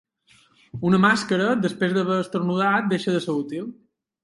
Una màscara, després d’haver esternudat, deixa de ser útil.